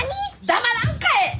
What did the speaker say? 黙らんかえ！